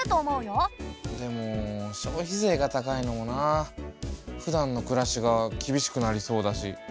でも消費税が高いのもなあ。ふだんの暮らしが厳しくなりそうだし。